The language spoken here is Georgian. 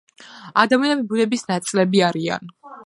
ადამიანები ბუნების ნაწილები არიან